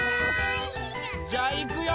じゃいくよ！